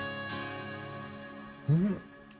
うん！